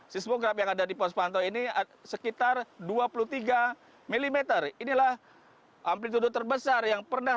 seismograf yang ada di pos pantau ini sekitar dua puluh tiga mm inilah amplitude terbesar yang pernah